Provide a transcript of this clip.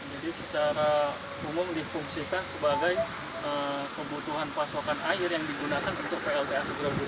jadi secara umum difungsikan sebagai kebutuhan pasokan air yang digunakan untuk plta sigura gura